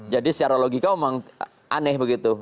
jadi secara logika memang aneh begitu